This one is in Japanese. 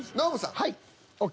はいＯＫ